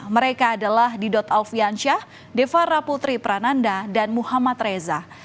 mereka adalah didot alfiansyah defara putri prananda dan muhammad reza